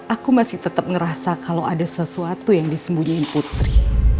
aku masih tetap ngerasa kalau ada sesuatu yang disembunyiin putri